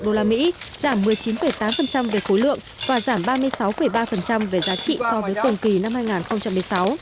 giảm một mươi chín tám về khối lượng và giảm ba mươi sáu ba về giá trị so với cùng kỳ năm hai nghìn một mươi sáu